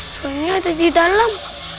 soalnya ada di dalam